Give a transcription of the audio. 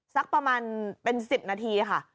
สักประมาณเป็น๑๐นาทีค่ะ